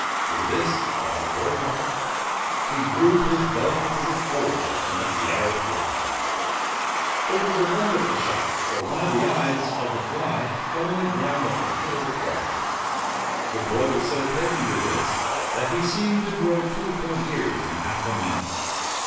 With this, while the boy watched, he drew his bow to the full, and let the arrow fly. It was a wonderful shot, for one of the eyes of the fly fell on the ground at the foot of the cross. The boy was so taken with this, that he seemed to grow two whole years in half a minute.